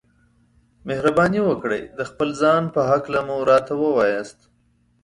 مهرباني وکړئ د خپل ځان په هکله مو راته ووياست.